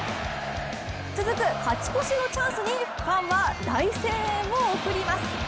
続く勝ち越しのチャンスにファンは大声援を送ります。